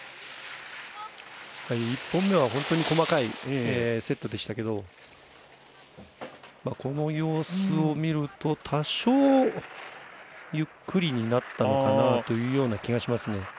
１本目は本当に細かいセットでしたけどこの様子を見ると多少、ゆっくりになったのかなというような気がしますね。